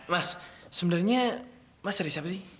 mas sebenarnya mas riz apa sih